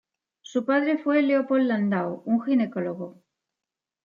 Su padre fue Leopold Landau, un ginecólogo.